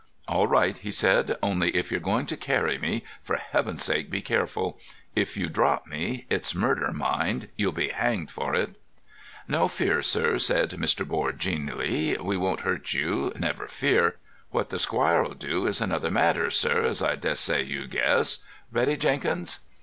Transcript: "All right," he said. "Only, if you're going to carry me, for Heaven's sake be careful. If you drop me, it's murder, mind. You'll be hanged for it." "No fear, sir," said Mr. Board genially. "We won't hurt you, never fear. What the squire'll do is another matter, sir, as I dessay you guess. Ready, Jenkins?"